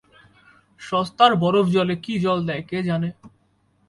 সস্তার বরফজলে কী জল দেয় কে জানে!